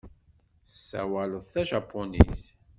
Tessawaleḍ tajapunit.